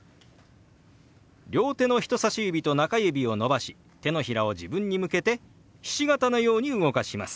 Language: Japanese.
両手の人さし指と中指を伸ばし手のひらを自分に向けてひし形のように動かします。